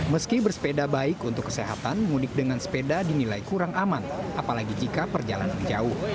meski bersepeda baik untuk kesehatan mudik dengan sepeda dinilai kurang aman apalagi jika perjalanan jauh